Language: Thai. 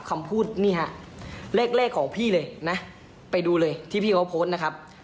คำพูดนี่ฮะเลขของพี่เลยนะไปดูเลยที่พี่เขาโพสต์นะครับ